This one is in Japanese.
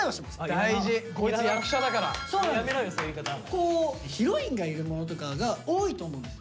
こうヒロインがいるものとかが多いと思うんです。